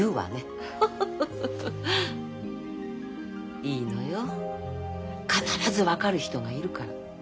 いいのよ必ず分かる人がいるから。